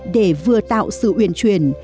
để vừa tạo sự uyển truyền